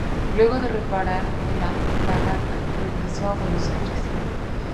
Luego de reparar la fragata, regresó a Buenos Aires.